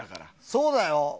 そうだよ。